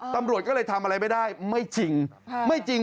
ตำรวจก็เลยทำอะไรไม่ได้ไม่จริง